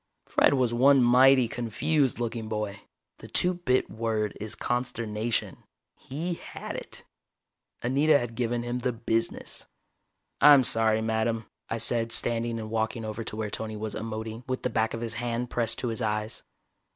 Fred was one mighty confused looking boy. The two bit word is consternation. He had it. Anita had given him the business. "I'm sorry, madame," I said standing and walking over to where Tony was emoting, with the back of his hand pressed to his eyes.